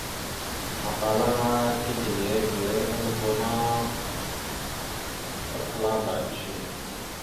Afalaŋana tislevere algo ma tapəlaba izəne.